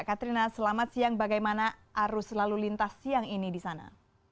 katrina selamat siang bagaimana arus lalu lintas siang ini di sana